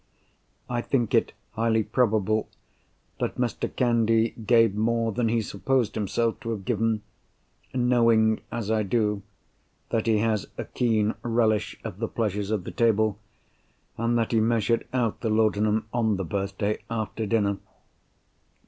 I think it highly probable that Mr. Candy gave more than he supposed himself to have given—knowing, as I do, that he has a keen relish of the pleasures of the table, and that he measured out the laudanum on the birthday, after dinner.